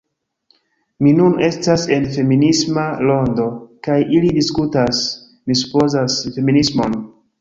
Mi nun estas en feminisma rondo kaj ili diskutas... mi supozas... feminismon